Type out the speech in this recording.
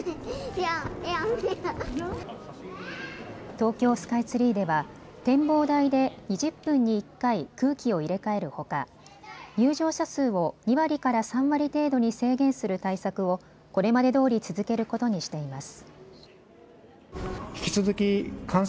東京スカイツリーでは展望台で２０分に１回、空気を入れ替えるほか入場者数を２割から３割程度に制限する対策をこれまでどおり続けることにしています。